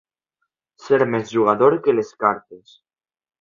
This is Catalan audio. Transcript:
Ser més jugador que les cartes.